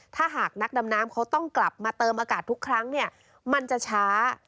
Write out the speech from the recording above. ถ้าหากนักดำน้ำเขาต้องกลับมาเติมอากาศทุกครั้งเนี่ยมันจะช้า